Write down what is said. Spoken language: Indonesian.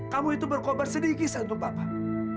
kamu itu berkorban sedikit saja untuk bapak